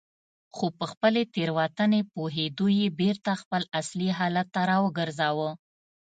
خو په خپلې تېروتنې پوهېدو یې بېرته خپل اصلي حالت ته راوګرځاوه.